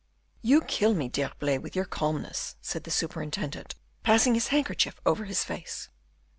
"You kill me, D'Herblay, with your calmness," said the superintendent, passing his handkerchief over his face.